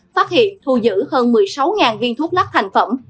phát hiện thu giữ hơn một mươi sáu viên thuốc lắc thành phẩm